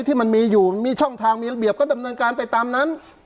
ที่มันมีอยู่มีช่องทางมีระเบียบก็ดำเนินการไปตามนั้น